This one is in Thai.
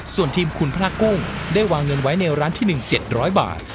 ส่วนทีมคุณพระกุ้งได้วางเงินไว้ในร้านที่๑๗๐๐บาท